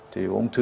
thì ung thư